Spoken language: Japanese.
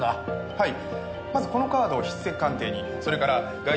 はい！